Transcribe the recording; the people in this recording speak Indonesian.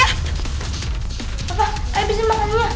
bapak ayo bikin makan dulu ya